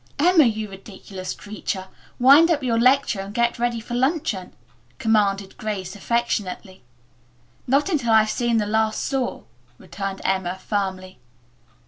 "Emma, you ridiculous creature, wind up your lecture and get ready for luncheon," commanded Grace affectionately. "Not until I've seen the last saw," returned Emma firmly.